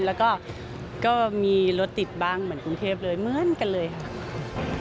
แล้วก็ก็มีรถติดบ้างเหมือนกรุงเทพเลยเหมือนกันเลยค่ะ